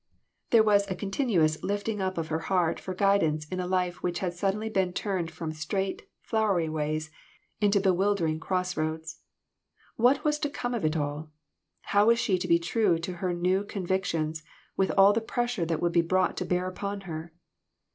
There was a continuous lifting up of her heart for FANATICISM. 333 guidance in a life which had suddenly been turned from straight, flowery ways, into bewil dering cross roads. What was to come of it all ! How was she to be true to her new convictions with all the pressure that would be brought to bear upon her